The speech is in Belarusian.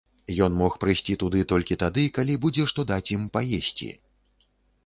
Ён мог прыйсці туды толькі тады, калі будзе што даць ім паесці.